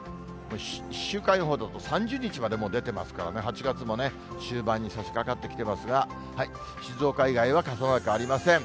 週間予報だと、３０日まで出てますからね、８月もね、終盤にさしかかってきてますが、静岡以外は傘マークありません。